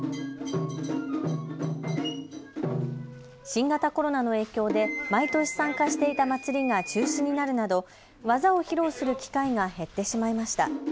新型コロナの影響で毎年参加していた祭りが中止になるなど技を披露する機会が減ってしまいました。